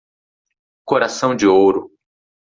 Coração de ouro